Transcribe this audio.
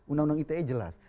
undang undang ite jelas